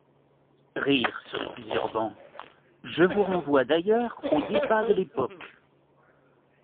(Rires sur plusieurs bancs) Je vous renvoie d’ailleurs aux débats de l’époque.